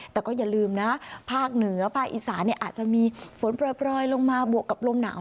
แต่ก็อย่าลืมนะภาคเหนือภาคอีสานอาจจะมีฝนปล่อยลงมาบวกกับลมหนาว